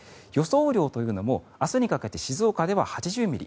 雨量というのも明日にかけては静岡では８０ミリ